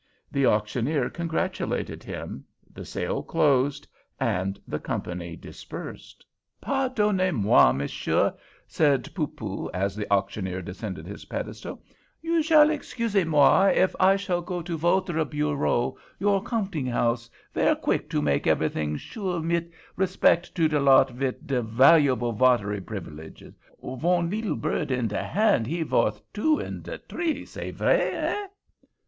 The auctioneer congratulated him—the sale closed—and the company dispersed. "Pardonnez moi, monsieur," said Poopoo, as the auctioneer descended his pedestal, "you shall excusez moi, if I shall go to votre bureau, your counting house, ver quick to make every ting sure wid respec to de lot vid de valuarble vatare privalege. Von leetle bird in de hand he vorth two in de tree, c'est vrai—eh?"